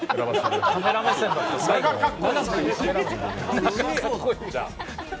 最後、カメラ目線だった。